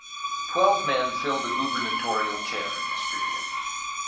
Twelve men filled the gubernatorial chair in this period.